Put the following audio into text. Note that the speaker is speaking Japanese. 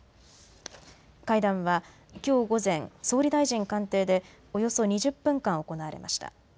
会談はきょう午前、総理大臣官邸でおよそ２０分間行われました。